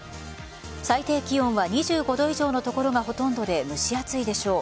最低気温は２５度以上の所がほとんどで蒸し暑いでしょう。